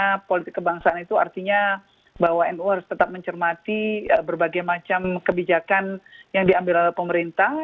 karena politik kebangsaan itu artinya bahwa nu harus tetap mencermati berbagai macam kebijakan yang diambil oleh pemerintah